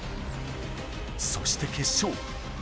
そして決勝。